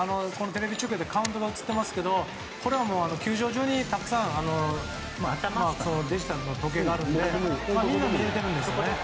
カウントが映ってますけど球場中にたくさんデジタルの時計があるのでみんな見えているんですね。